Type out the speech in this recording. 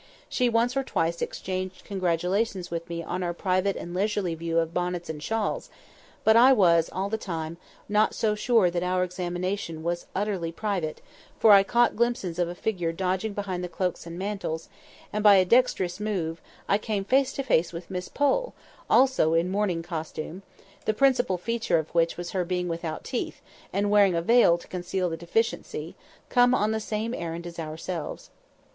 She once or twice exchanged congratulations with me on our private and leisurely view of the bonnets and shawls; but I was, all the time, not so sure that our examination was so utterly private, for I caught glimpses of a figure dodging behind the cloaks and mantles; and, by a dexterous move, I came face to face with Miss Pole, also in morning costume (the principal feature of which was her being without teeth, and wearing a veil to conceal the deficiency), come on the same errand as ourselves.